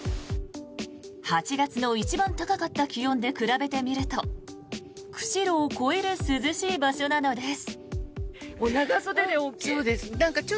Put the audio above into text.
８月の一番高かった気温で比べてみると釧路を超える涼しい場所なのです。